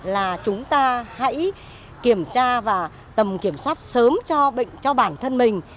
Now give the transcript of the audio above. là chúng ta hãy kiểm tra và tầm kiểm soát sớm cho bệnh cho bản thân mình